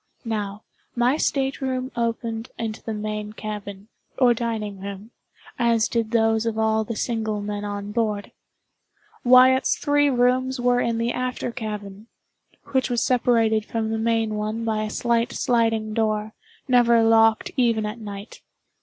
Now, my state room opened into the main cabin, or dining room, as did those of all the single men on board. Wyatt's three rooms were in the after cabin, which was separated from the main one by a slight sliding door, never locked even at night.